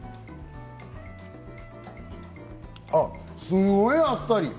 あ、すごいあっさり！